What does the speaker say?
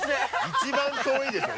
一番遠いでしょ！